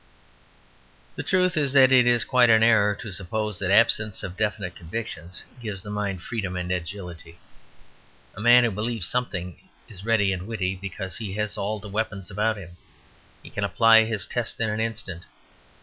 The truth is, that it is quite an error to suppose that absence of definite convictions gives the mind freedom and agility. A man who believes something is ready and witty, because he has all his weapons about him. He can apply his test in an instant.